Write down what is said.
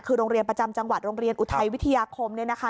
คือโรงเรียนประจำจังหวัดโรงเรียนอุทัยวิทยาคมเนี่ยนะคะ